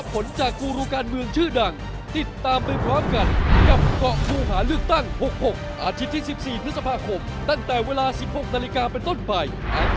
โปรดติดตามตอนต่อไป